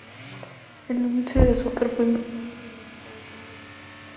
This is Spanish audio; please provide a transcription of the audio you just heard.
El dulce de azúcar fue inventado en los Estados Unidos.